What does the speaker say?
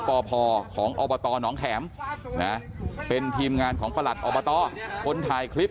พพของอบตหนองแข็มนะเป็นทีมงานของประหลัดอบตคนถ่ายคลิป